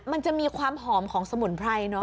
มันจะมีความหอมของสมุนไพรเนอะ